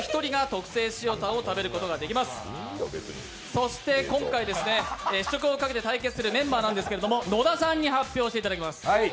そして今回試食をかけて対決するメンバーですが野田さんに発表していただきます。